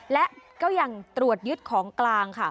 และก็ยังตรวจยึดของกลางค่ะ